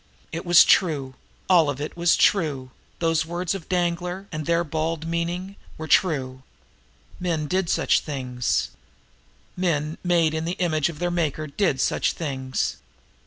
It was true. All of it was true. Those words of Danglar, and their bald meaning, were true. Men did such things; men made in the image of their Maker did such things.